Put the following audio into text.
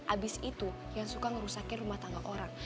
abis itu yang suka ngerusaki rumah tangga orang